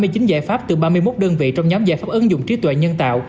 ba mươi chín giải pháp từ ba mươi một đơn vị trong nhóm giải pháp ứng dụng trí tuệ nhân tạo